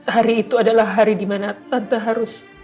hari itu adalah hari dimana tanpa harus